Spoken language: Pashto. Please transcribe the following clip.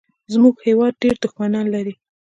زمونږ هېواد ډېر دوښمنان لري